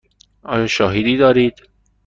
آیا شاهدی دارید؟